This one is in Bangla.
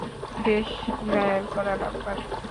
শেষ ডায়াল করা নাম্বার।